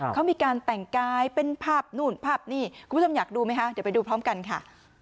เขามีการแต่งกายเป็นภาพนู่นภาพนี่คุณผู้ชมอยากดูไหมคะเดี๋ยวไปดูพร้อมกันค่ะ